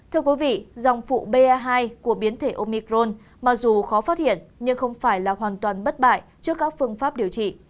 thưa quý vị dòng phụ ba hai của biến thể omicron mặc dù khó phát hiện nhưng không phải là hoàn toàn bất bại trước các phương pháp điều trị